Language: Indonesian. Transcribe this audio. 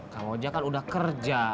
kak ngojak kan udah kerja